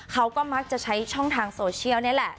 เขาก็มักจะใช้ช่องทางโซเชียลนี่แหละ